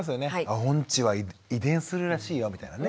音痴は遺伝するらしいよみたいなね。